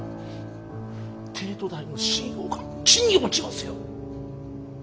帝都大の信用が地に落ちますよ！